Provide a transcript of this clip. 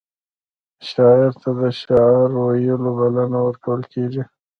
شاعر ته د شعر ویلو بلنه ورکول کیږي.